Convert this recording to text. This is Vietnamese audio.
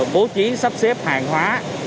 bố trí sắp xếp hàng hóa